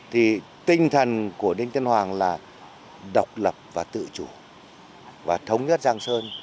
thì tinh thần của đinh tiên hoàng là độc lập và tự chủ và thống nhất giang sơn